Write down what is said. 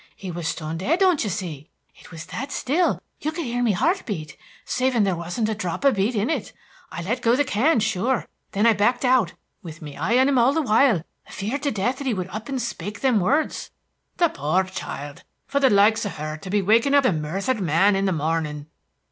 He was stone dead, don't you see. It was that still you could hear me heart beat, saving there wasn't a drop of beat in it. I let go the can, sure, and then I backed out, with me eye on 'im all the while, afeard to death that he would up and spake them words." "The pore child! for the likes of her to be wakin' up a murthered man in the mornin'!"